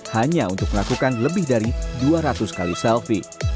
hanya untuk melakukan lebih dari dua ratus kali selfie